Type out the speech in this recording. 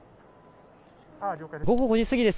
午後５時過ぎです。